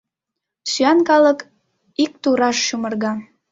Сӱан калык ик тураш чумырга.